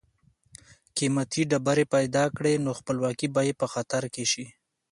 قیمتي ډبرې پیدا کړي نو خپلواکي به یې په خطر کې شي.